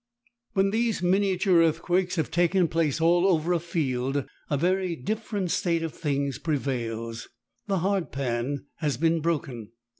When these miniature earthquakes have taken place all over a field a very different state of things prevails. The "hard pan" has been broken.